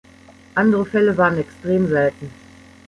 Andere Fälle waren extrem selten.